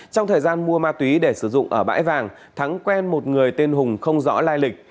trong thời gian mua ma túy để sử dụng ở bãi vàng thắng quen một người tên hùng không rõ lai lịch